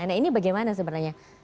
nah ini bagaimana sebenarnya